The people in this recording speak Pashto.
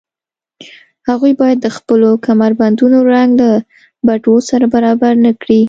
هغوی باید د خپلو کمربندونو رنګ له بټوو سره برابر نه کړي